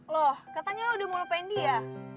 loh katanya lo udah mau lupain dia